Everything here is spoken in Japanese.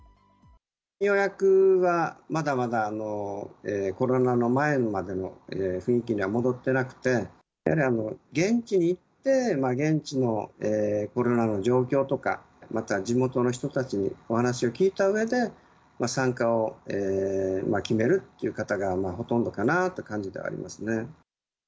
予約はまだまだコロナの前までの雰囲気には戻ってなくて、やはり現地に行って、現地のコロナの状況とか、また地元の人たちにお話を聞いたうえで、参加を決めるという方がほとんどかなという感じではありますね。